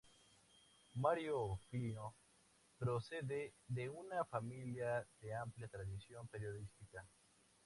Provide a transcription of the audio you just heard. Mário Filho procede de una familia de amplia tradición periodística.